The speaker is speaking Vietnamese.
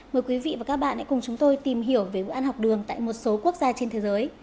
mời quý vị và các bạn hãy cùng chúng tôi tìm hiểu về bữa ăn học đường tại một số quốc gia trên thế giới